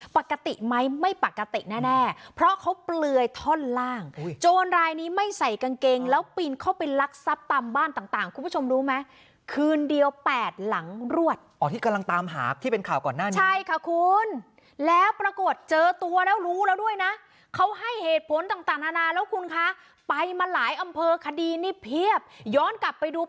ปกติไหมไม่ปกติแน่เพราะเขาเปลือยท่อนล่างโจรรายนี้ไม่ใส่กางเกงแล้วปีนเข้าไปลักทรัพย์ตามบ้านต่างคุณผู้ชมรู้ไหมคืนเดียว๘หลังรวดอ๋อที่กำลังตามหาที่เป็นข่าวก่อนหน้านี้ใช่ค่ะคุณแล้วปรากฏเจอตัวแล้วรู้แล้วด้วยนะเขาให้เหตุผลต่างนานาแล้วคุณคะไปมาหลายอำเภอคดีนี่เพียบย้อนกลับไปดู